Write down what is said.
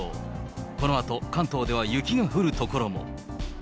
このあと関東では雪が降る所も。